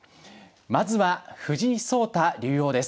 まずは藤井聡太竜王です。